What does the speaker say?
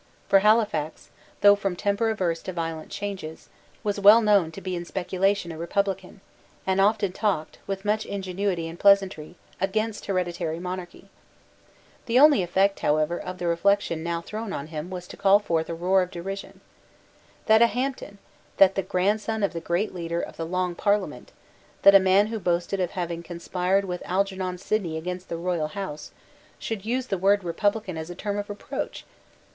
For Halifax, though from temper averse to violent changes, was well known to be in speculation a republican, and often talked, with much ingenuity and pleasantry, against hereditary monarchy. The only effect, however, of the reflection now thrown on him was to call forth a roar of derision. That a Hampden, that the grandson of the great leader of the Long Parliament, that a man who boasted of having conspired with Algernon Sidney against the royal House, should use the word republican as a term of reproach!